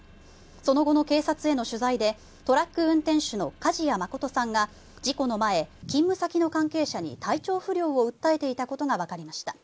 その後の警察への取材でトラック運転手の梶谷誠さんが事故の前、勤務先の関係者に体調不良を訴えていたことがわかりました。